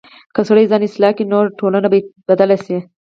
که سړی ځان اصلاح کړي، نو ټولنه به بدله شي.